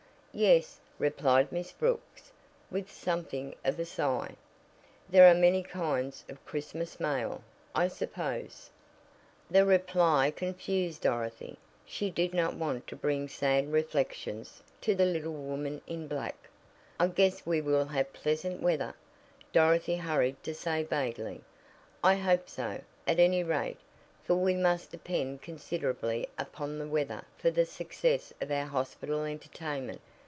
"Yes," replied Miss Brooks, with something of a sigh. "There are many kinds of Christmas mail, I suppose." The reply confused Dorothy. She did not want to bring sad reflections to the "little woman in black." "I guess we will have pleasant weather," Dorothy hurried to say vaguely. "I hope so, at any rate, for we must depend considerably upon the weather for the success of our hospital entertainment.